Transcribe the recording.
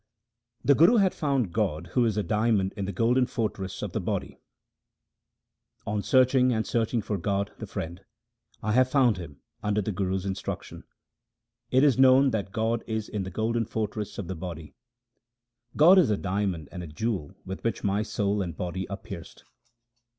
The Guru has found God, who is a diamond in the golden fortress of the body :— On searching and searching for God, the Friend, I have found Him under the Guru's instruction. It is known that God is in the golden fortress of the body. 316 THE SIKH RELIGION God is a diamond and a jewel with which my soul and body are pierced.